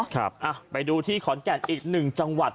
ครับไปดูที่ขอนแก่นอีกหนึ่งจังหวัด